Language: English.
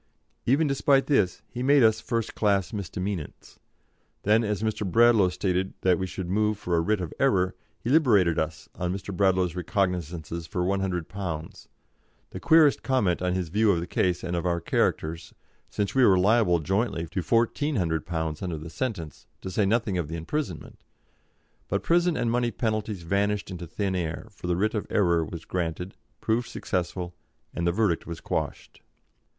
Even despite this he made us first class misdemeanants. Then, as Mr. Bradlaugh stated that we should move for a writ of error, he liberated us on Mr. Bradlaugh's recognisance for £100, the queerest comment on his view of the case and of our characters, since we were liable jointly to £1,400 under the sentence, to say nothing of the imprisonment. But prison and money penalties vanished into thin air, for the writ of error was granted, proved successful, and the verdict was quashed.